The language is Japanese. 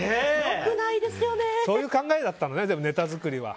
そういう考えだったのねネタ作りは。